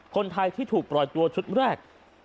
คนไทยที่ถูกปล่อยตัวชุดแรก